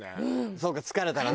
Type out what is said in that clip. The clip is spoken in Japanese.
そうか疲れたらね。